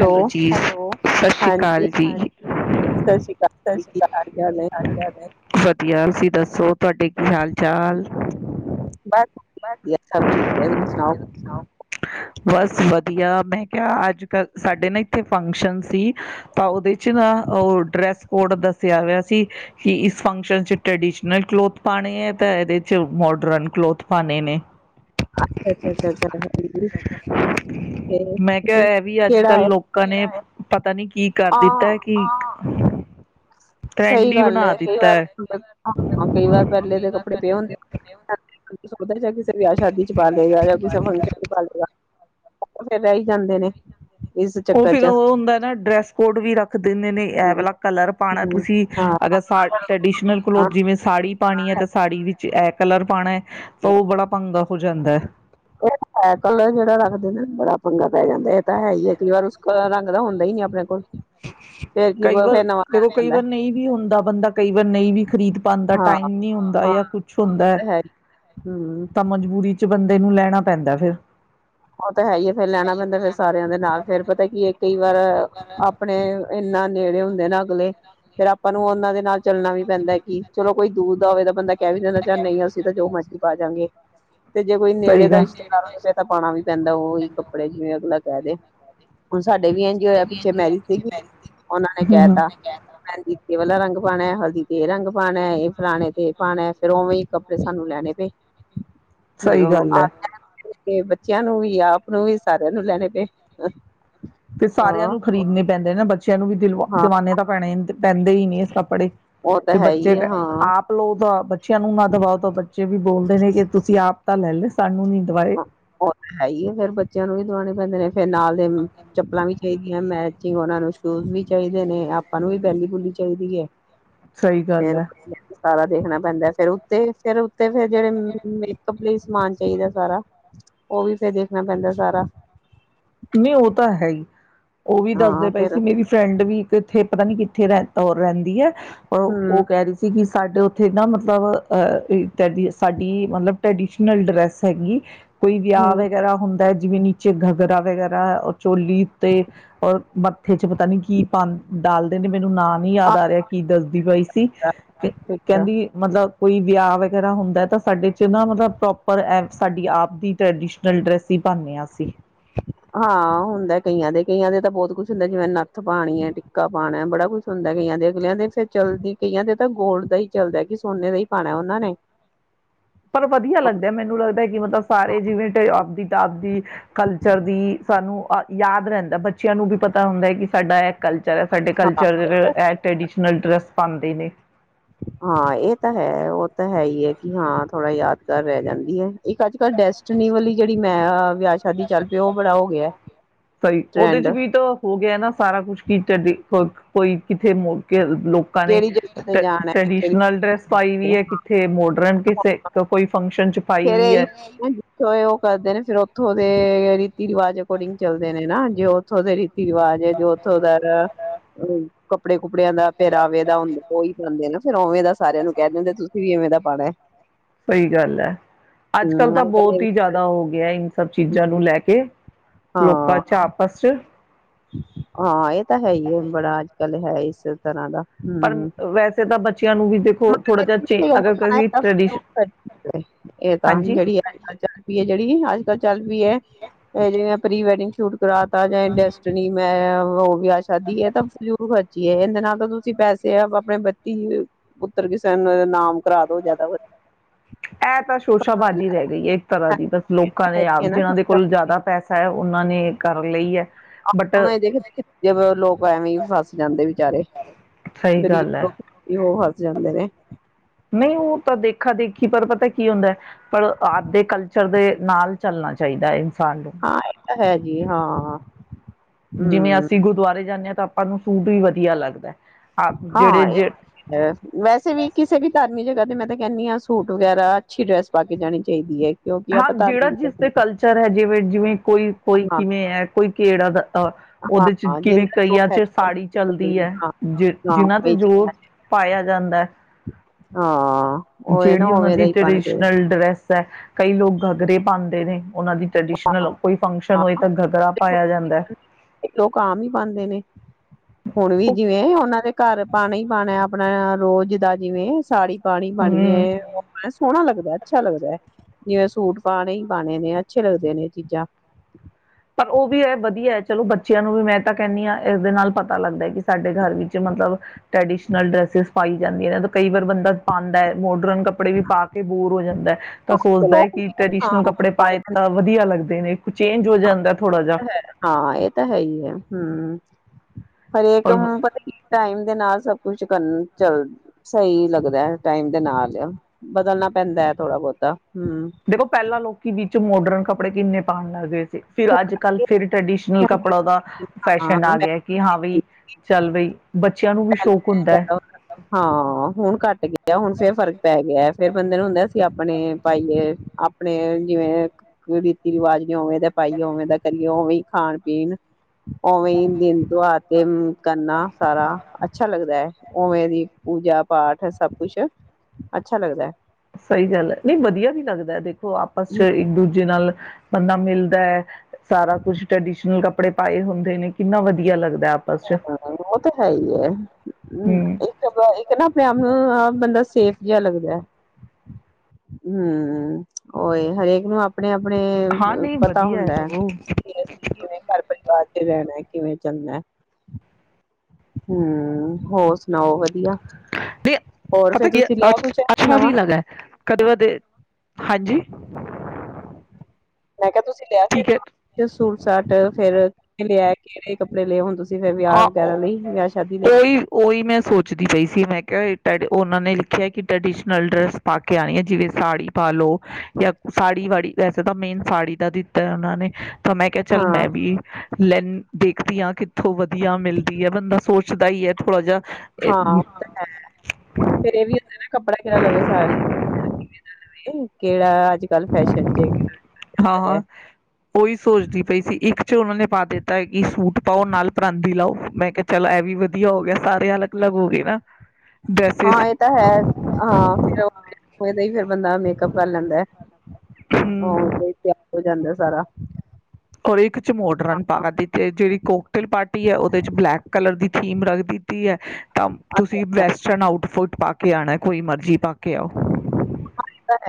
Hello ਜੀ hello ਸਤ ਸ੍ਰੀ ਹਾਂਜੀ ਅਕਾਲ ਜੀ ਸਤਿ ਸ਼੍ਰੀ ਸਤ ਸ਼੍ਰੀ ਕੀ ਅਕਾਲ ਹਾਲ ਕਿ ਹੈ ਹਾਲ ਚਾਲ ਹੈ ਵਧੀਆ ਤੁਸੀਂ ਦੱਸੋ ਤੁਹਾਡੇ ਕੀ ਹਾਲ ਚਾਲ ਬਸ ਬੱਸ ਵਧੀਆ ਸਭ ਠੀਕ ਹੈ ਤੁਸੀਂ ਵਧੀਆ ਤੁਸੀ ਸੁਣਾਓ ਬਸ ਵਧੀਆ ਮੈਂ ਕਿਹਾ ਅੱਜ ਕੱਲ ਸਾਡੇ ਨਾ ਇੱਥੇ ਫੰਕਸ਼ਨ ਸੀ ਤਾਂ ਉਹਦੇ ਚ ਨਾ ਉਹ ਡਰੈਸ ਕੋਡ ਦੱਸਿਆ ਹੋਆ ਸੀ ਕਿ ਇਸ ਫੰਕਸ਼ਨ ਚ ਟ੍ਰਡੀਸ਼ਨਲ ਕਲੋਥ ਪਾਣੇ ਹੈ ਤੇ ਇਹਦੇ ਚ ਮੋਡਨ ਕਲੋਥ ਪਾਣੇ ਨੇ ਅੱਛਾ ਅੱਛਾ ਅੱਛਾ ਅੱਾਾਂ ਜ ਮੈਂ ਕਿਹਾ ਇਹ ਵੀ ਅੱਜ [unintelligible] ਕੱਲ ਲੋਕਾਂ ਨੇ ਪਤਾ ਨੀ ਕੀ ਕਰ ਹਾਂ ਦਿੱਤਾ ਕਿ ਸਹੀ ਗੱਲ ਹੈ ਕਈ ਵਾਰ ਕਈ ਵਾਰ ਪਹਿਲੇ ਦੇ ਕੱਪੜੇ ਪਏ ਹੁੰਦੇ ਸੋਦਾ ਜਾ [unintelligible] ਕਿਸੇ ਵੀ ਵਿਹਾਅ ਸ਼ਾਦੀ ਚ ਪਾ ਲੇਗਾ ਜਾਂ ਕਿਸ ਫੰਕਸ਼ਨ ਚ ਪਾ ਲਗਾ ਫਿਰ ਰਹੀ ਜਾਂਦੇ ਨੇ ਇਸ ਉਹ ਚੱਕਰ ਫੇਿਰ ਚ ਉਹ ਹੁੰਦਾ ਨਾ ਡਰੈਸ ਕੋਡ ਵੀ ਰੱਖ ਦਿੰਦੇ ਨੇ ਇਹ ਹਮ ਵਾਲਲਾ ਕਲਰ ਪਾਣਾ ਹਮ ਤੁਸੀਂ ਹਾਂ ਅਗਰ ਸਾ ਟਰਡੀਸ਼ਨਲ ਕਲੋਥ ਜਿਵੇਂ ਸਾੜੀ ਪਾਉਣੀ ਹੈ ਤਾਂ ਸਾੜੀ ਵਿੱਚ ਤੇ ਏਹ ਕਲਰ ਪਾਉਣਾ ਹੈ ਤਾਂ ਉਹ ਬੜਾ ਭੰਗਾ ਹੋ ਜਾਂਦਾ ਹੈ ਇਹ ਹੈ ਕਲਰ ਜਿਹੜਾ ਰੱਖਦੇ ਨੇ ਬੜਾ ਪੰਗਾ ਪੈ ਜਾਂਦਾ ਹੈ ਐ ਤਾਂ ਇਹੀ ਹੈ ਅਗਲੀ ਵਾਰ ਉਸ ਕਾ ਰੰਗ ਪਹਿਲਾ ਹੁੰਦਾ ਹੀ ਨਹੀ ਆਪਣੇ ਕੋਲ ਫੇਰ ਕੀ ਕਈ ਵਾਰ ਫੇਰ ਨਵਾਂ ਲੈਣਾ ਦੇਖੋ ਕਈ ਪੈਂਦਾ ਵਾਰ ਨਹੀਂ ਵੀ ਹੁੰਦਾ ਬੰਦਾ ਕਈ ਵਾਰ ਨਹੀਂ ਵੀ ਖ਼ਰੀਦ ਪਾਉਂਦਾ ਹਾਂ ਟਾਈਮ ਨਹੀਂ ਹੁੰਦਾ ਹਾਂ ਜਾਂ ਕੁਛ ਹੁੰਦਾ ਉਹ ਹੈ ਤਾਂ ਹੀ ਹਮ ਤਾਂ ਮਜਬੂਰੀ ਚ ਬੰ ਤੈਨੂੰ ਲੈਣਾ ਪੈਂਦਾ ਫਿਰ ਹਾਂ। ਐਤਾਂ ਹੈ ਹੀਏ ਫੇਰ ਲੈਣਾ ਪੈਂਦਾ ਫਿਰ ਸਾਰਿਆਂ ਦੇ ਨਾਲ ਫੇਰ ਪਤਾ ਕੀ ਹੈ ਕਈ ਵਾਰ ਆਪਣੇ ਇੰਨਾ ਨੇੜੇ ਹੁੰਦੇ ਨਾ ਅਗਲੇ ਫੇਰ ਆਪਾਂ ਨੂੰ ਉਹਨਾਂ ਦੇ ਨਾਲ ਚੱਲਣਾ ਵੀ ਪੈਂਦਾ ਹੈ ਕਿ ਚਲੋ ਕੋਈ ਦੂਰ ਦਾ ਹੋਵੇ ਤਾਂ ਬੰਦਾ ਕਹਿ ਵੀ ਦੇਂਦਾ ਹੈ ਚੱਲ ਨਹੀਂ ਅੱਸੀ ਤਾਂ ਜੋ ਮਰਜ਼ੀ ਪਾ ਲੀਯੇ ਜਾਂਦੀ ਹੈ ਤੇ ਜੇ ਕੋਈ ਸਹੀ ਨੇੜੇ ਦਾ ਗੱਲ। ਰਿਸ਼ਤੇਦਾਰ ਹੋਂਦਾ ਫਿਰ ਤਾਂ ਪਾਉਣਾ ਵੀ ਪੈਂਦਾ ਉਹੀ ਕੱਪੜੇ ਜਿਵੇਂ ਅਗਲਾ ਕਹਿਦੇ ਕੁਛ ਸਾਡੇ ਵੀ ਐਨ ਜੀ ਹੋਇਆ ਪਿੱਛੇ ਮੈਰਿਜ ਸੀਗੀ ਉਹਨਾਂ ਨੇ ਕਹਿ ਦੇ। ਕਿਹੈ ਹੂੰ, ਤਾ ਮਹਿੰਦੀ ਦੀ ਐ ਵਾਲਾ ਰੰਗ ਪਾਉਣਾ ਹੈ ਹਲਦੀ ਤੇ ਇਹ ਰੰਗ ਪਾਉਣਾ ਹੈ ਇਹ ਫਲਾਣੇ ਤੇ ਪਾਉਣਾ ਫੇਰ ਉਵੇਂ ਕੱਪੜੇ ਸਾਨੂੰ ਲੈਣੇ ਪਏ ਸਹੀ ਜੋ ਗੱਲ ਹੈ [inaudible] ਬੱਚਿਆਂ ਨੂੰ ਵੀ ਆਪ ਨੂੰ ਵੀ ਸਾਰਿਆਂ ਨੂੰ ਲੈਣੇ ਪਏ ਫਿਰ ਸਾਰਿਆਂ ਹਾਂ ਨੂੰ ਖਰੀਦਣੇ ਪੈਂਦੇ ਨੇ ਨਾ ਬੱਚਿਆਂ ਨੂੰ ਵੀ ਹਾਂ [inaudible] ਕੱਪੜੇ, ਉਹ ਤਾਂ ਤੇ ਹੈ ਬੱਚੇ ਹੀ ਹੈ ਲਾਏ ਹਾਂ ਆਪ ਲੋਓ ਤਾਂ ਬ ਬੱਚਿਆਂ ਨੂੰ ਨਾ ਦਵਾਓ ਤੋਂ ਬੱਚੇ ਵੀ ਬੋਲਦੇ ਨੇ ਕਿ ਤੁਸੀਂ ਆਪ ਤਾਂ ਲੇ ਲਏ ਸਾਨੂੰ ਨੀ ਦਵਾਏ। ਉਹ ਤਾਂ ਹੈ ਹੀ ਫੇਰ ਬੱਚਿਆਂ ਨੂੰ ਵੀ ਦਵਾਣੇ ਬੰਦੇ ਨੇ ਫਿਰ ਨਾਲ ਦੇ ਚੱਪਲਾਂ ਵੀ ਚਾਹੀਦੀਆਂ ਮੈਚ ਉਹਨਾ ਨੂੰ ਸ਼ੂਜ ਵੀ ਚਾਹੀਦੇ ਨੇ ਆਪਾਂ ਨੂੰ ਵੀ ਬੈਲੀ ਬੂਲੀ ਚਾਹੀਦੀ ਹੈ ਸਹੀ ਗੱਲ ਫੇਰ ਹੈ ਸਾਰਾ ਦੇਖਣਾ ਪੈਂਦਾ ਹੈ ਫੇਰ ਉੱਤੇੇ ਫਿਰ ਉੱਤੇ ਫਿਰ ਜਿਹੜੇ ਮੇ ਕੰਪਲੀਟ ਸਮਾਨ ਚਾਹੀਦਾ ਹੈ ਸਾਰਾ ਉਹ ਵੀ ਫਿਰ ਦੇਖਣਾ ਪੈਂਦਾ ਹੈ ਸਾਰਾ ਨਹੀਂ ਉਹ ਤਾਂ ਹੈ ਹੀ। ਉਹ ਵੀ ਦੱਸਦੇ ਹਾਂ ਪਏ ਸੀ ਫੇਰ ਮੇਰੀ ਫਰੈਂਡ ਵੀ ਇੱਕ ਇੱਥੇ ਪਤਾ ਨੀ ਕਿੱਥੇ ਰਹਿ ਤੌਰ ਰਹਿੰਦੀ ਹੈ ਪਰ ਹਮ ਉਹ ਕਹਿ ਰਹੀ ਸੀ ਕਿ ਸਾਡੇ ਉੱਥੇ ਨਾ ਮਤਲਬ ਅਹ ਦੀ ਸਾਡੀ ਮਤਲਬ ਟਰੈਡੀਸ਼ਨ ਨਾਲ ਡਰੈਸ ਹੈਗੀ ਕੋਈ ਵਿਆਹ ਹਮ ਵਗੈਰਾ ਹੁੰਦਾ ਜਿਵੇਂ ਨੀਚੇ ਘੱਗਰਾ ਵਗੈਰਾ ਉਹ ਚੋਲੀ ਉੱਤੇ ਰ ਮੱਥੇ ਚ ਪਤਾ ਨੀ ਕੀ ਪਾ ਡਾਲਦੇ ਨੇ ਮੈਨੂੰ ਨਾਂ ਨੀ ਯਾਦ ਆ ਰਿਹਾ ਕੀ ਦੱਸਦੀ ਪਈ ਸੀ ਤੇ ਠੀਕ ਆ ਕਹਿੰਦੀ ਮਤਲਬ ਕੋਈ ਵਿਆਹ ਵਗੈਰਾ ਹੁੰਦਾ ਤਾਂ ਸਾਡੇ ਚ ਨਾ ਮਤਲਬ ਪ੍ਰੋਪਰ ਸਾਡੀ ਆਪ ਦੀ ਟ੍ਰੈਡੀਸ਼ਨਲ ਡਰੈਸ [unintelligible] ਹਾਂ ਹੁੰਦਾ ਕਈਆਂ ਦੇ ਕਈਆਂ ਦੇ ਤਾਂ ਬਹੁਤ ਕੁਛ ਹੁੰਦਾ ਜਿਵੇਂ ਨੱਥ ਪਾਉਣੀ ਹੈ ਟਿੱਕਾ ਪਾਉਣਾ ਬੜਾ ਕੁਛ ਹੁੰਦਾ ਕਈਆਂ ਦੇ ਅਗਲਿਆਂ ਦੇ ਫਿਰ ਚਲਦੀ ਕਈਆਂ ਦੇ ਤਾਂ ਗੋਲ ਦਾ ਹੀ ਚੱਲਦਾ ਕਿ ਸੋਨੇ ਦਾ ਹੀ ਪਾਉਣਾ ਉਹਨਾਂ ਨੇ ਪਰ ਵਧੀਆ ਲੱਗਦੇ ਮੈਨੂੰ ਲੱਗਦਾ ਕਿ ਮਤਲਬ ਸਾਰੇ ਜਿਵੇਂ ਆਪਦੀ ਟਪ ਦੀ ਕਲਚਰ ਦੀ ਸਾਨੂੰ ਯਾਦ ਰਹਿੰਦਾ ਬੱਚਿਆਂ ਨੂੰ ਵੀ ਪਤਾ ਹੁੰਦਾ ਕਿ ਸਾਡਾ ਇੱਕ ਕਲਚਰ ਹੈ, ਸਾਡੇ ਹਾਂ ਕਲਚਰ ਇਹ ਟਰੈਡੀਸ਼ਨਲ ਡਰੈੱਸ ਪਾਦੇ ਨੇ, ਹਾਂ ਇਹ ਤਾਂ ਹੈ, ਉਹ ਤਾਂ ਹੈ ਹੀ ਹੈ, ਕਿ ਹਾਂ ਥੋੜ੍ਹਾ ਯਾਦ, ਰਹਿ ਜਾਂਦੀ ਹੈ ਇੱਕ ਅੱਜ, ਡੈਸਟਨੀ ਵਾਲੀ ਜਿਹੜੀ ਮੈਂ, ਵਿਆਹ ਸ਼ਾਦੀ ਚੱਲ ਪਏ ਉਹ ਬੜਾ ਹੋ ਗਿਆ। ਸਹੀ ਉਹਦੇ ਟਰੈਂਡ ਚ ਵੀ ਤਾਂ ਹੋ ਗਿਆ ਨਾ ਸਾਰਾ ਕੁਛ ਕੀ ਕਦੀ, ਕੋਈ ਕਿੱਥੇ ਮੌਕੇ, ਲੋਕਾਂ ਨੇ ਕਿਹੜੀ ਜਗ੍ਹਾ ਤੇ ਜਾਣਾ ਹੈ ਕਿਹੜੀ ਟਰੈਡੀਸ਼ਨਲ ਡਰੈਸ ਪਾਈ ਵੀ ਹੈ, ਕਿੱਥੇ ਮੋੜ ਕਿਸੇ ਤਾਂ ਕੋਈ ਫੰਕਸ਼ਨ ਚ ਪਾਈ ਫੇਰ ਵੀ ਇਹੀ ਹੈ। ਜਿੱਥੋਂ ਉਹ ਕਰਦੇ ਨੇ ਫਿਰ ਉੱਥੋਂ ਦੇ ਰੀਤੀ ਰਿਵਾਜ ਅਕੋਡਿੰਗ ਚੱਲਦੇ ਨੇ ਨਾ ਜੋੇ ਉੱਥੋਂ ਦੇ ਰੀਤੀ ਰਿਵਾਜ ਹੈ ਜੋ ਉੱਥੋਂ ਦਾ ਕੱਪੜੇ ਕੁੱਪੜਿਆਂ ਦਾ ਫਿਰ ਆਵੇ ਦਾ ਹ ਉਹੀ ਪਾਦੇ ਨਾ ਫਿਰ ਉਵੇਂ ਦਾ ਸਾਰਿਆਂ ਨੂੰ ਕਹਿ ਦਿੰਦੇ ਤੁਸੀਂ ਵੀ ਇਵੇਂ ਦਾ ਪਾੜੇ ਸਹੀ ਗੱਲ ਹੈ, ਅੱਜ ਕੱਲ ਤਾਂ ਬਹੁਤ ਹੀ ਜ਼ਿਆਦਾ ਹੋ ਗਿਆ। ਸਭ ਚੀਜ਼ਾਂ ਨੂੰ ਲੈ ਕੇ ਲੋਕਾਂ ਹਾਂ ਚ ਆਪਸ ਚ ਹਾਂ ਇਹ ਤਾਂ ਹੈ ਹੀ ਹੈ ਬੜਾ, ਚੱਲ ਹੈ ਇਸੇ ਤਰ੍ਹਾਂ ਦਾ ਪਰ ਹੂੰ, ਵੈਸੇ ਤਾਂ ਬੱਚਿਆਂ ਨੂੰ ਵੀ ਦੇਖੋ ਥੋੜਾ ਜਿਹਾ ਚੇ ਅਗਰ ਕਸੀ ਟ੍ਰਡੀਸ਼ਨ ਇਹ ਤਾਂ ਹਾਂਜੀ ਜਿਹੜੀ ਅੱਜ ਚੱਲ ਪਈ ਹੈ, ਜਿਹੜੀ ਅੱਜ ਕੱਲ [unintelligible] ਵੀ ਹੈ, ਇਹ ਜਿਵੇਂ ਪ੍ਰੀ ਵੈਡਿੰਗ ਸੂਟ [unintelligible] ਆ ਜਾਏ ਡੈਸ ਮੈਂ ਉਹ ਵਿਆਹ ਸ਼ਾਦੀ, ਹੈ ਤਾਂ ਫਿਜੂਲ ਖਰਚੀ ਹੈ, ਇਹਦੇਂ ਨਾਲ ਤਾਂ ਤੁਸੀਂ ਪੈਸੇ ਆ-ਆਪਣੇ ਬੱਤੀ ਪੁੱਤਰ ਕਿਸੇ ਨ ਨਾਮ ਕਰਾ ਦੋ, ਉਹ ਜ਼ਿਆਦਾ ਵ ਇਹ ਤਾਂ ਸ਼ੋਸ਼ਾਬਾਜ਼ੀ ਰਹਿ ਗਈ ਹੈ, ਇੱਕ ਤਰ੍ਹਾਂ ਦੀ ਬਸ ਲੋਕਾਂ ਨੇ ਆਪ, ਜਿਹਨਾਂ ਦੇ ਕੋਲ ਜ਼ਿਆਦਾ ਪੈਸਾ ਹੈ, ਉਹਨਾਂ ਨੇ ਕਰ ਲਈ ਹੈ। ਬਟ ਆਪਣੇ ਦੇਖ ਜਦ ਲੋਕ ਐਵੇਂ ਹੀ ਫਸ ਜਾਂਦੇ ਵਿਚਾਰੇ। ਸਹੀ ਗਰੀਬ ਗੱਲ ਹੈ। ਲੋਕ ਉਹ ਫਸ ਜਾਂਦੇ ਨੇ। ਨਹੀਂ ਉਹ ਤਾਂ ਦੇਖਾ ਦੇਖੀ, ਪਰ ਪਤਾ ਕੀ ਹੁੰਦਾ ਹੈ, ਪਰ ਆਪਦੇ ਕਲਚਰ ਦੇ ਨਾਲ ਚੱਲਣਾ ਚਾਹੀਦਾ ਹੈ। ਹਾਂ ਇਹ ਤਾਂ ਹੈ [unintelligible] ਜੀ ਹਾਂ। ਜਿਵੇਂ ਹਮ ਅਸੀਂ ਗੁਰਦੁਆਰੇ ਜਾਂਨੇ ਹਾਂ ਤਾਂ ਆਪਾਂ ਨੂੰ ਸੂਟ ਵੀ ਵਧੀਆ ਲੱਗਦਾ ਹੈ। ਹਾਂ ਇਹ ਵੈਸੇ ਵੀ ਕਿਸੇ ਵੀ ਧਾਰਮਿਕ ਜਗ੍ਹਾ ਤੇ, ਮੈਂ ਤੇ ਕਹਿੰਦੀ ਹਾਂ, ਸੂਟ ਵਗੈਰਾ ਅੱਛੀ ਡਰੈਸ ਪਾ ਕੇ ਜਾਣੀ ਚਾਹੀਦੀ ਹੈ। ਕਿਉਂਕਿ ਹਾਂ ਆਪਾਂ ਜਿਹੜਾ ਜਿਸਦੇ ਧਾਰਮਿਕ ਕਲਚਰ ਹੈ। ਜਿਵੇਂ ਜਿਵੇਂ ਕੋਈ ਕੋਈ ਹਾਂ ਕਿਵੇਂ ਹੈ, ਕੋਈ ਕਿਹੜਾ-ਦ-ਆ ਉਹਦੇ ਚ ਹਾਂ ਕਿਵੇਂ ਜਿੰਨਾ ਜੋ ਕਈਆਂ ਚ ਹੈਗਾ ਸਾੜੀ ਚੱਲਦੀ ਹੈ, ਹਾਂ ਹਾਂ ਜ-ਜਿਹਨਾਂ ਤੇ ਜੋ ਪਾਇਆ ਜਾਂਦਾ ਹੈ। ਹਾਂ ਉਹ ਨਾ ਜਿਹੜੀ ਉਹਨਾਂ ਉਵੇਂ ਦਾ ਦੀ ਹੀ ਪਾਉਣਾ ਚਾਹੀਦਾ ਟ੍ਰਡੀਸ਼ਨਲ ਡਰੈਸ ਹੈ। [inaudible] ਕਈ ਲੋਕ ਘੱਗਰੇ ਪਾਉਂਦੇ ਨੇ। ਉਹਨਾਂ ਦੀ ਟਰੈਡੀਸ਼ਨਲ, ਕੋਈ ਫੰਕਸ਼ਨ ਹਾਂ ਹੋਏ ਤਾਂ ਘਗਰਾ ਪਾਇਆ ਜਾਂਦਾ ਹੈ। ਲੋਕ ਆਮ ਹੀ ਪਾਉਦੇ ਨੇ। ਹੁਣ ਵੀ ਉਹ ਹਮ ਜਿਵੇਂ ਉਹਨਾਂ ਦੇ ਘਰ ਪਾਣੇ ੲੀ ਪਾਣਾ ਹੈ ਆਪਣਾ ਹ, ਰੋਜ਼ ਦਾ ਜਿਵੇਂ ਸਾੜੀ [inaudible] ਅੱਛਾ ਲੱਗਦਾ ਹੈ। ਜਿਵੇਂ ਸੂਟ ਪਾਣੇ ਹੀ ਪਾਉਣੇ ਨੇ, ਅੱਛੇ ਲੱਗਦੇ ਨੇ ਇਹ ਚੀਜ਼ਾਂ। ਪਰ ਉਹ ਵੀ ਹੈ ਵਧੀਆ ਹੈ, ਚਲੋ ਬੱਚਿਆਂ ਨੂੰ ਵੀ ਮੈਂ ਤਾਂ ਕਹਿਂਨੀ ਹਾਂ, ਇਸਦੇ ਨਾਲ ਪਤਾ ਲੱਗਦਾ ਹੈ ਕਿ ਸਾਡੇ ਘਰ ਵਿੱਚ ਮਤਲਬ ਟ੍ਰੈਡੀਸ਼ਨਲ ਡਰੈਸਿਸ ਪਾਈ ਜਾਂਦੀਆਂ ਨੇ ਤੇ ਕਈ ਵਾਰ ਬੰਦਾ ਪਾਉਂਦਾ ਹੈ। ਮੋਡਰਨ ਕੱਪੜੇ ਵੀ ਪਾ ਕੇ ਬੋਰ ਹੋ ਜਾਂਦਾ ਹੈ। ਤਾਂ ਸੋਚਦਾ ਹੈ ਕਿ, ਟਰੈਡੀਸ਼ਨਲ ਕੱਪੜੇ ਪਾਏ ਹਾਂ ਤਾਂ ਵਧੀਆ ਲੱਗਦੇ ਨੇ। ਕੁਛ ਚੇਂਜ ਹੋ ਜਾਂਦੈ ਹੈ, ਹਾਂ ਇਹ ਤਾਂ ਹੈ ਹੀ ਹੈ। ਹਮਮ। ਹਮਮ। ਹਰੇਕ ਪਰ ਪਤਾ ਟਾਈਮ ਦੇ ਨਾਲ ਸਭ ਕੁਛ ਕਰਨ ਚੱਲ, ਸਹੀ ਲੱਗਦਾ ਹੈ ਟਾਈਮ ਦੇ ਨਾਲ, ਬਦਲਣਾ ਪੈਂਦਾ ਹੈ ਥੋੜਾ ਬਹੁਤਾ। ਹਮ ਦੇਖੋ, ਪਹਿਲਾਂ ਲੋਕੀ ਵਿੱਚ ਮੋੜ ਗਰਮ ਕੱਪੜੇ ਕਿੰਨੇ ਪਾਉਣ ਲੱਗ ਗਏ ਸੀ ਫਿਰ ਅੱਜ ਕੱਲ ਫਿਰ ਟਰਡਡੀਸ਼ਨਲ ਕਪੜਾ ਦਾ ਹਾਂ ਫੈਸ਼ਨ ਆ ਮੈਂ ਗਿਆ ਕਿ ਹਾਂ ਵੀ [inaudible] ਹਾਂ ਹੁਣ ਘੱਟ ਗਿਆ ਹੁਣ ਫੇਿਰ ਫ਼ਰਕ ਪੈ ਗਿਆ ਫੇਿਰ ਬੰਦੇ ਨੂੰ ਹੁੰਦਾ ਅਸੀਂ ਆਪਣੇ ਪਾਈਏ ਆਪਣੇ ਜਿਵੇਂ ਰੀਤੀ ਰਿਵਾਜ ਉਵੇਂ ਦਾ ਪਾਈਏ ਉਵੇਂ ਦਾ ਕਰੀੲੇ ਕਿਉ ਵੀ ਖਾਣ ਪੀਣ ਉਵੇਂ ਹੀ ਦਿਨ ਤੋਂ ਤਿਉਹਾਰ ਤੇ ਕਰਨਾ ਸਾਰਾ ਅੱਛਾ ਅੱਛਾ ਲੱਗਦਾ ਹੈ ਉਓਵੇਂ ਦੀ ਪੂਜਾ ਪਾਠ ਸਬ ਕੁਛ ਅੱਛਾ ਲੱਗਦਾ ਹੈ ਸਹੀ ਗੱਲ ਹੈ ਨਹੀਂ ਵਧੀਆ ਨੀ ਲੱਗਦਾ ਦੇਖੋ ਆਪਸ ਚ ਇੱਕ ਦੂੂਰ ਜ ਨਾਲ ਨਾਲ ਬੰਨਾ ਮਿਲਦਾ ਹੈ ਸਾਰਾ ਕੁਛ ਟ੍ਰੈਡੀਸ਼ਨਲ ਕੱਪੜੇ ਪਾਏ ਹੁੰਦੇ ਨੇ ਕਿੰਨਾ ਵਧੀਆ ਲੱਗਦਾ ਆਪਸ ਚ ਉਹ ਤੇ ਹੈ ਈ ਏ। ਹਮ ਇੱਕ ਬ ਇੱਕ ਨਾ ਆਪਣੇ ਆਪ ਨੂੰ ਆਪ ਬੰਦਾ ਸੇਫ ਜਿਹਾ ਲੱਗਦੈ। ਹੂੰ, ਔਏ ਹਰੇਕ ਨੂੰ ਅਪ ਅਪਣੇ-ਅਪਣੇ ਹਾਂ ਨਹੀਂ ਪਤਾ ਵਧੀਆ ਹੈ ਹੁੰਦੈ ਸਗੋਂ ਬਈ ਅਸੀਂ ਕਿਵੇਂ ਘਰ ਪਰਿਵਾਰ ਰਹਿਣੈ, ਕਿਵੇਂ ਚਲਣੈ। [unintelligible] ਹੂੰ, ਹੋ ਸ ਨਈ ਪਤੈ ਫੇਰ ਕੀ ਐ, ਤੁਸੀਂ ਲਿਆ ਅੱਛ, ਕੁਛ ਅੱਛਾ ਨੀ ਨਵਾਂ ਲਗਾ ਐ। ਕਦੇ-ਕਦੇ ਹਾਂਜੀ ਹ ਮੈਂ ਕਿਆ ਤੁਸ ਲਿਆ ਫਿਰ, ਠੀਕ ਹੈ ਹੇ ਸੂਟ ਸਾਟ ਫੇਰ ਲਿਆ ਕਿਹੜੇ ਕੱਪੜੇ ਲਿਆ ਹੋਣ ਤੁਸੀਂ। ਫਿਰ ਆ ਵਿਆਹ ਔ ਵਗੈਰਾ ਲਈ ਵਿਆਹ ਸ਼ਾਦੀ ਲਈ ਔਈ, ਔਈ ਮੈਂ ਸੋਚਦੀ ਪਈ ਸੀ ਮੈਂ ਕਿਹਾ ਇਹ ਤਾਡੇ ਉਹਨਾ ਨੇ ਲਿਖਿਐ ਕਿ ਟ੍ਰੈਡਿਸ਼ਨਲ ਡਰੈਸ ਪਾ ਕੇ ਆਣੀ ਏ ਜਿਵੇਂ ਸਾੜੀ ਪਾ ਲੋ ਯਾਂ ਸਾੜੀ ਵਾੜੀ ਵੈਸੇ ਤਾਂ ਮੇਨ ਸਾੜੀ ਦਾ ਦਿੱਤਾ ਉਹਨਾਂ ਨੇ। ਤਾਂ ਮੈਂ ਕਿਹਾ ਚਲ ਮੈਂ ਵੀ ਲੈਣ ਦੇਖਦੀ ਆਂ ਕਿ ਉੱਥੋਂ ਵਧੀਆ ਮਿਲਦੀ ਐ ਬੰਦਾ ਸੋਚਦਾ ਈ ਐ ਥੋੜਾ ਜਿਹਾ। ਹਾਂ, ਫਿਰ ਇਹ ਵੀ [unintelligible] ਨਾ ਕੱਪੜਾ ਕਿਹੜਾ ਲਵੇ ਸਾੜੀ ਕਿਹੜਾ ਅੱਜ-ਕੱਲ ਫੈਸ਼ਨ ਚ ਕਿਹੜਾ ਹਾਂ-ਹਾਂ, ਹੈ। ਔਈ ਸੋਚਦੀ ਪਈ ਸੀ ਇੱਕ [unintelligible] ਨੇ ਪਾ ਦਿੱਤਾ ਏ ਕਿ ਸੂਟ ਪਾਔ ਨਾਲ ਪਰਾਂਦੀ ਲਾਔ। ਮੈਂ ਕਿਹਾ ਚੱਲ ਇਹ ਵੀ ਵਧੀਆ ਹੋ ਗਿਆ ਸਾਰੇ ਅਲੱਗ-ਅਲੱਗ ਹੋ ਗਏ ਨਾ। ਡਰੈਸਿਸ ਹਾਂ, ਇਹ ਤਾਂ ਹੈ, ਹਾਂ। ਔ ਦੇਈ [unintelligible] ਬੰਦਾ ਮੇਕਅਪ ਕਰ ਲੈਂਦੈ। ਆਉਣ ਲਈ ਤਿਆਰ ਹੋ ਜਾਂਦਾ ਸਾਰਾ। ਕੁੜੀ ਇੱਕ ਚ ਮੋਡਰਨ ਪਾ ਦਿੱਤੇ। ਜਿਹੜੀ ਕੋਕਟੇਲ ਪਾਰਟੀ ਏ ਉਹਦੇ ਚ ਬਲੈਕ ਕਲਰ ਦੀ ਥੀਮ ਰੱਖ ਦਿੱਤੀ ਐ। ਤਾਂ ਅੱਛਾ ਤੁਸੀ ਅੱਛਾ ਵੈਸਟਰਨ ਆਊਟਫੁੱਟ ਪਾ ਕੇ ਆਣੈ ਕੋਈ ਮਰਜ਼ੀ ਪਾ ਕੇ ਆਔ।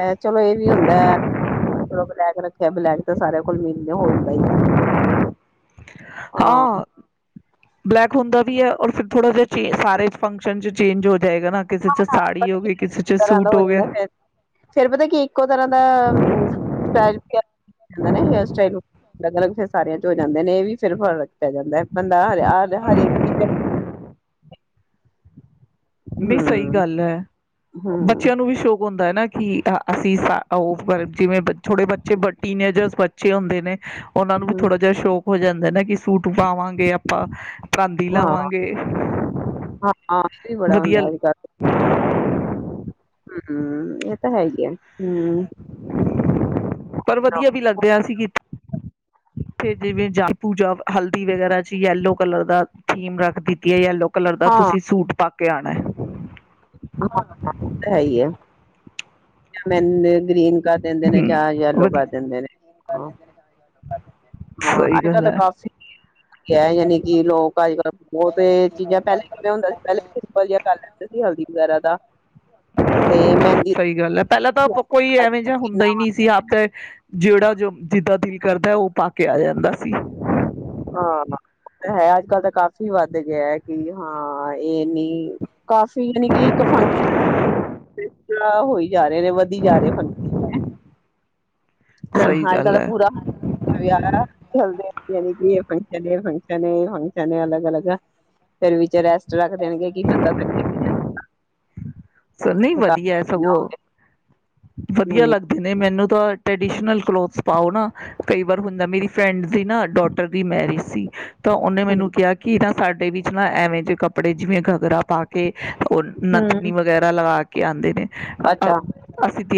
ਐ ਚਲੋ ਏ ਵੀ ਹੁੰਦੈ ਚਲੋ ਬਲੈਕ ਰੱਖਿਐ, ਬਲੈਕ ਤਾਂ ਸਾਰਿਆਂ ਕੋਲ ਮਿਲਦੇ ਹੋਂਦਾ ਈ ਹਾਂ ਬਲੈਕ ਹੁੰਦਾ ਵੀ ਏ ਔਰ ਫਿਰ ਥੋੜ੍ਹਾ ਜਿਆ ਜੀ ਸਾਰੇ ਫੰਕਸ਼ਨ ਚ ਚੇਂਜ ਹੋ ਜਾਏਗਾ ਨਾ ਕਿਸੇ ਚ ਹਾਂ ਪਤਾ ਸਾੜੀ ਹੋ ਗਈ [unintelligible] ਕਿਸੇ ਚ ਤਰ੍ਹਾਂ ਦਾ ਸੂਟ ਹੋ ਜਾਂਦਾ ਗਿਆ ਫਿਰ, ਫਿਰ ਪਤੈ ਕੀ ਇੱਕੋ ਤਰ੍ਹਾਂ ਦਾ [unintelligible] ਹੇਅਰ ਸਟਾਈਲ ਨੂੰ। ਅਲੱਗ-ਅਲੱਗ ਫਿਰ ਸਾਰਿਆਂ ਚ ਹੋ ਜਾਂਦੇ ਨੇ ਇਹ ਵੀ ਫਿਰ ਫਰਕ ਪੈ ਜਾਂਦੈ। ਬੰਦਾ ਹ ਹਰੇਕ ਚੀਜ਼ ਨੀ ਸਈ ਹਮ ਗੱਲ ਐ। ਹਮ ਬੱਚਿਆਂ ਨੂੰ ਵੀ ਸ਼ੌਕ ਹੋ ਹੁੰਦੈ ਨਾ ਕਿ ਹਾਂ ਅਸੀ ਸਾ ਔਫ ਵਰ ਜਿਵੇਂ ਬੱਚ ਥੋੜੇ ਬੱਚੇ ਵੱਡ ਟੀਨਏਜਰਸ ਬੱਚੇ ਹੁੰਦੇ ਨੇ ਉਹਨਾਂ ਨੂੰ ਵੀ ਹਮ ਥੋੜਾ ਜਿਹਾ ਸ਼ੌਕ ਜਾਂਦਾ ਹੈ ਨਾ ਕਿ ਸੂਟ ਪਾਵਾਂਗੇ ਆਪਾਂ ਪਰਾਂਦੀ ਹਾਂ ਲਾਵਾਂਗੇ ਹਾਂ ਹਾਂ ਬੜਾ ਹੁੰਦਾ ਵਧੀਅਲ ਅੱਜ ਕੱਲ ਹਾਂ ਹਮ ਇਹ ਤਾਂ ਹੈਗੀ ਆ ਹਮ ਪਰ ਵਧੀਆ ਵੀ ਲੱਗਦੇਿਆ ਅ ਸੀਂ ਤੇ ਜਿਵੇਂ ਜਾਪੂ ਜਾਂ ਹਲਦੀ ਵਗੈਰਾ ਚ ਯੈਲੋ ਕਲਰ ਦਾ ਥੀਮ ਰੱਖ ਦਿੱਤੀ ਹੈ ਯੈਲੋ ਕਲਰ ਦਾ ਹਾਂ ਤੁਸੀਂ ਸੂਟ ਪਾ ਕੇਆਉਣਾ ਹੈ ਹੈ ਹੀ ਹੈ ਮੈਨੇ ਗ੍ਰੀਨ ਗਾ ਦਿੰਦੇ ਨੇ ਹਮ ਜਾਂ ਜ ਯੈੱਲੋ ਵਧੀਆ ਦਿੰਦੇ ਨੇ ਹਾਂ ਹਾਂ ਸਹੀ ਅੱਜ ਕੱਲ ਗੱਲ ਤਾਂ ਹੈ ਕਾਫੀ ਹੈ ਯਾਨੀ ਕਿ ਲੋਕ ਅੱਜ ਕੱਲ ਬਹੁਤ ਇਹ ਚੀਜ਼ਾਂ ਪਹਿਲੇ ਕਿਵੇਂ ਹੁੰਦਾ ਸੀ ਪਹਿਲੇ ਸਿੰਪਲ ਜਿਹਾ ਗੱਲ ਹਲਦੀ ਵੇਗੇਰਾ ਦਾ ਤੇ ਮਹਿੰਦੀ ਸਹੀ ਗੱਲ ਹੈ ਪਹਿਲਾਂ ਤਾਂ ਕੋਈ ਦਾ ਐਵੇਂ ਜਿਹਾ ਹੁੰਦਾ ਕਿੰਨਾ ਹੀ ਨਹੀਂ ਸੀ ਆਪਦਾ ਜਿਹੜਾ ਜੋ ਜਿੱਦਾਂ ਦਿਲ ਕਰਦਾ ਉਹ ਪਾ ਕਿਹਾ ਜਾਂਦਾ ਸੀ ਹਾਂ ਹੈ ਅੱਜ ਕੱਲ ਤਾਂ ਕਾਫ਼ੀ ਵੱਧ ਗਿਆ ਕਿ ਹਾਂ ਇਹ ਨਹੀਂ ਕਾਫੀ ਯਾਨੀ ਕਿ ਇੱਕ ਫੰਕਸ਼ਨ ਹੋਈ ਜਾ ਰਹੇ ਨੇ ਵਧੀ ਜਾ ਰਹੇ ਹਾਂ ਸਹੀ ਅੱਜ ਕੱਲ ਗੱਲ ਦਾ ਹੈ ਪੂਰਾ ਵਿਹ ਚੱਲਦੇ ਯਾਨੀ ਕਿ ਇਹ ਫੰਕਸ਼ਨ ਹੈਏ ਫੰਕਸ਼ਨ ਹੈ ਫੰਕਸ਼ਨ ਹੈਏ ਅਲਗ ਅਲਗ ਸਰ ਵਿਚ ਰ ਰੱਖ ਦੇਣਗੇ ਕਿ ਬੰਦਾ ਕੱੇ ਨਹੀਂ ਵਧੀਆ ਸਗੋਂ ਵਧੀਆ ਹੂੰ ਲੱਗਦੇ ਨੇ ਮੈਨੂੰ ਤਾਂ ਟਡੀਸ਼ਨਲ ਕਲੋਥਸ ਪਾਓ ਨਾ ਕਈ ਵਾਰ ਹੁੰਦਾ ਮੇਰੀ ਫਰੈਂਡ ਸੀ ਨਾ ਡੋਟਰ ਦੀ ਮੈਰਿਜ ਸੀ ਤਾਂ ਉਹਨੇ ਹੂੰ ਮੈਨੂੰ ਕਿਹਾ ਕਿ ਨਾ ਸਾਡਾ ੇ ਵਿੱਚ ਨਾ ਐਵੇਂ ਜਿਹੇ ਕੱਪੜੇ ਜਿਵੇਂ ਘੱਗਰਾ ਪਾ ਕੇ ਉਹ ਨਥਨੀ ਹੂੰ, ਵਗੈਰਾ ਲਗਾ ਕੇ ਕੇ ਆਉਂਦੇ ਨੇ ਅੱਛਾ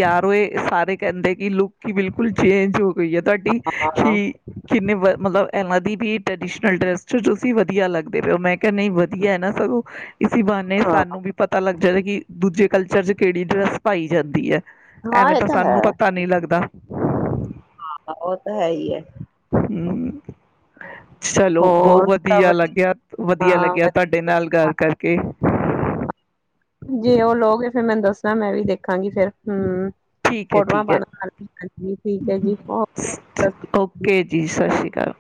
ਯਾਰ ਓਏ ਸਾਰੇ ਕਹਿੰਦੇ ਕਿ ਲੁ ਕਿ ਬਿਲਕੁਲ ਚੇਂਜ ਹੋ ਗਈ ਹੈ, ਤੁਹਾਡੀ ਹਾਂ ਹਾਂ ਕਿ ਕਿੰਨੇ ਵ ਮਤਲਬ ਇਹਨਾਂ ਦੀ ਟਡੀਸ਼ਨਲ ਡੈਸ ਚ ਤੁਸੀਂ ਵਧੀਆ ਲੱਗਦੇ ਪ ਹੋ ਮੈਂ ਕਿਹਾ ਨਹੀਂ ਵਧੀਆ ਨਾ ਸਗੋਂ ਇਸ ਬੰੇ ਸਾਨੂੰ ਵੀ ਪਤਾ ਲੱਗ ਜਾਂਦਾ ਕਿ ਦੂਜੇ ਕਲਚਰ ਚ ਕਿਹੜੀ ਡਰੈੱਸ ਪਾਈ ਜਾਂਦੀ ਹੁੰਦੀ ਹੈ। ਹਾਂ ਐਵੇਂ ਇਹ ਤਾਂ ਹੈ। ਸਾਨੂੰ ਪਤਾ ਨਹੀਂੀ ਲੱਗਦਾ ਹਾਂ ਉਹ ਹੈ ਹੀ ਹੈ ਹਮ ਚਲੋ ਬਹੁਤ ਹੋਰ ਸਭ ਵਧੀਆ ਲੱਗਿਆ ਵਧੀਆ ਲੱਗਿਆ ਤੁਹਾਡੇ ਨਾਲ ਗੱਲ ਕਰਕੇ ਜੀ ਉਹ ਲੋਕ ਫੇਿਰ ਮੈਨੂੰ ਦੱਸਾਂ ਮੈਂ ਵੀ ਦੇਖਾਂਗੀ ਫੇਰ ਹਮ ਠੀਕ ਹੈ ਠੀਕ ਹੈ। ਠੀਕ ਹੈ ਜੀ ਓਕੇ ਸਤਿ ਸ਼੍ਰੀ ਓਕੇ ਜੀ ਸਤਿ ਸ਼੍ਰੀ ਅਕਾਲ